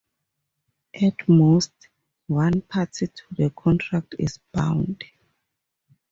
At most, one party to the contract is bound.